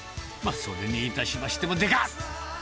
それにいたしましても、でかっ！